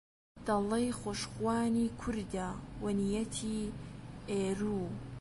دەڵێی خۆشخوانی کوردە و نیەتی ئێروو